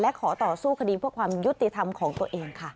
และขอต่อสู้คดีเพื่อความยุติธรรมของตัวเองค่ะ